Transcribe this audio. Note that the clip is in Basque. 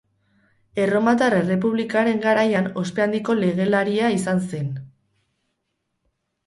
Erromatar Errepublikaren garaian ospe handiko legelaria izan zen.